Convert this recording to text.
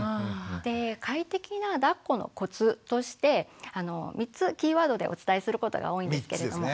で快適なだっこのコツとして３つキーワードでお伝えすることが多いんですけれども。